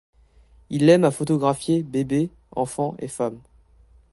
Il aime à photographier bébés, enfants et femmes.